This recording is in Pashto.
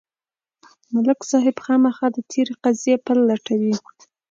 ملک صاحب خامخا د تېرې قضیې پل لټوي.